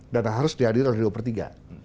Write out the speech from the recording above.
dan harus dihadir oleh dua per tiga